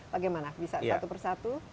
bagaimana bisa satu persatu bagaimana situasinya